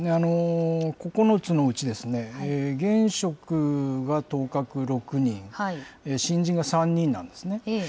９つのうち、現職が当確６人、新人が３人なんですね。